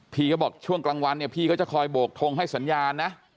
พี่ก็บอกช่วงกลางวันเนี่ยพี่ก็จะคอยโบกทงให้สัญญาณนะ